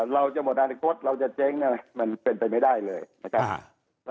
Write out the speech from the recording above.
เราจะโมดาริกส์เราจะเจ๊งมันเป็นไปไม่ได้เลย